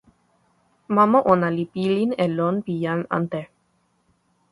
mama ona li pilin e lon pi jan ante.